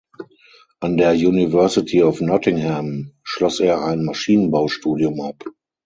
An der University of Nottingham schloss er ein Maschinenbaustudium ab.